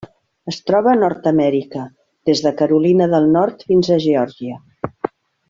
Es troba a Nord-amèrica: des de Carolina del Nord fins a Geòrgia.